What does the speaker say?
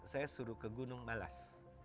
saya suruh ke gunung balas